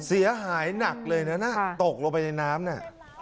เสียหายหนักเลยนะตกลงไปในน้ำน่ะ